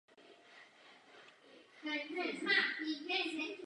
Víra v takový fenomén se objevuje v mnoha světových kulturách a náboženstvích.